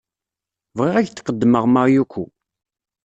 Bɣiɣ ad ak-d-qeddmeɣ Mayuko.